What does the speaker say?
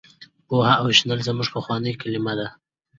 پوهه او شنل زموږ پخوانۍ کلمې دي.